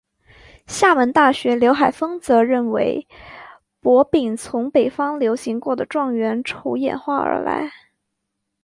厦门大学刘海峰则认为博饼从北方流行过的状元筹演化而来。